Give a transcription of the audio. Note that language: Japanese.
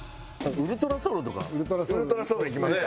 ウルトラソウルいきますか？